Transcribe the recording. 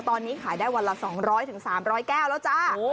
ตอนนี้ขายได้วันละ๒๐๐๓๐๐แก้วแล้วจ้า